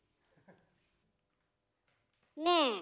ねえ。